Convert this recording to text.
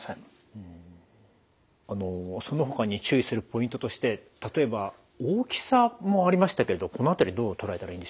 そのほかに注意するポイントとして例えば大きさもありましたけどこの辺りどう捉えたらいいんでしょうか？